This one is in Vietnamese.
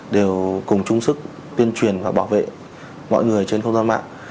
đều cùng chung sức tuyên truyền và bảo vệ mọi người trên không gian mạng